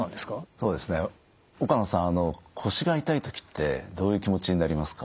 そうですね岡野さん腰が痛い時ってどういう気持ちになりますか？